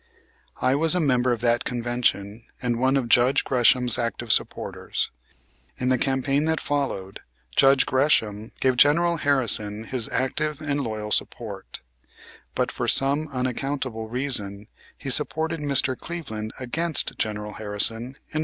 I was a member of that Convention and one of Judge Gresham's active supporters. In the campaign that followed Judge Gresham gave General Harrison his active and loyal support, but, for some unaccountable reason, he supported Mr. Cleveland against General Harrison in 1892.